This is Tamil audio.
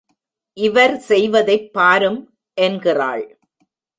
இவர் செய்வதைப் பாரும் என்கிறாள்.